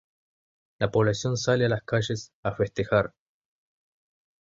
La población sale a las calles a festejar.